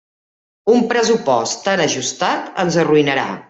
Un pressupost tan ajustat ens arruïnarà.